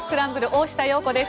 大下容子です。